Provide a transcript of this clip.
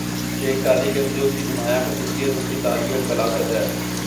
شیخ سعدی کے اسلوب کی نمایاں خصوصیت ان کی سادگی اور سلاست ہے